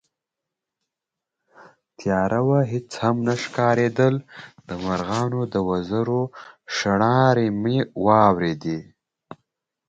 تياره وه، هېڅ هم نه ښکارېدل، د مرغانو د وزرونو شڼهاری مې واورېد